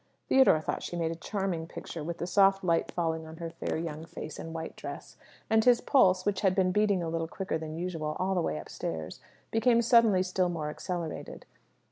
Theodore thought she made a charming picture, with the soft light falling on her fair young face and white dress; and his pulse, which had been beating a little quicker than usual all the way upstairs, became suddenly still more accelerated.